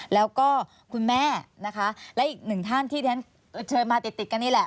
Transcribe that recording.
แล้วก็คุณแม่นะคะและอีกหนึ่งท่านที่ฉันเชิญมาติดติดกันนี่แหละ